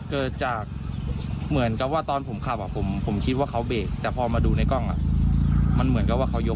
เกิดจากเหมือนกับว่าตอนผมขับผมคิดว่าเขาเบรกแต่พอมาดูในกล้องมันเหมือนกับว่าเขายก